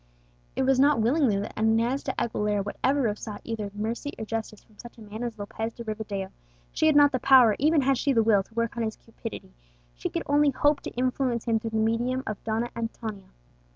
It was not willingly that Inez de Aguilera would ever have sought either mercy or justice from such a man as Lopez de Rivadeo; she had not the power, even had she the will, to work on his cupidity; she could only hope to influence him through the medium of Donna Antonia.